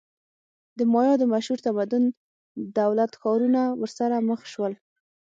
د مایا د مشهور تمدن دولت-ښارونه ورسره مخ شول.